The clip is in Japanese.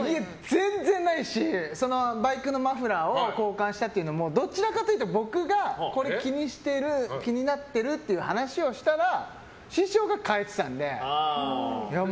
全然ないし、バイクのマフラーを交換したっていうのもどちらかと言ったら僕が気になってるっていう話をしたら師匠が替えてたので。